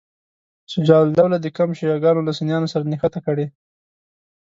شجاع الدوله د کمپ شیعه ګانو له سنیانو سره نښته کړې.